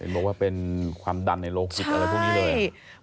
บอกว่าเป็นความดันในโลกิตอะไรพวกนี้เลย